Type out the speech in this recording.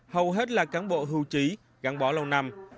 hầu hết là cán bộ hưu trí gắn bó lâu năm